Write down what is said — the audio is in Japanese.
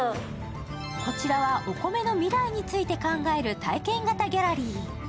こちらはお米の未来について考える体験型ギャラリー。